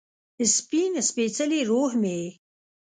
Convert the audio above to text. سپین سپيڅلې روح مې یې